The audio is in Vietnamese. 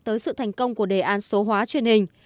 tới sự thành công của đề án số hóa truyền hình